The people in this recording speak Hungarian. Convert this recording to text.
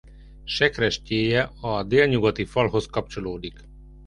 Sekrestyéje a délnyugati falhoz kapcsolódik.